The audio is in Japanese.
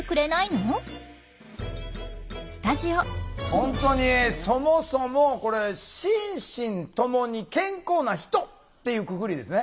本当にそもそもこれ「心身ともに健康な人」っていうくくりですね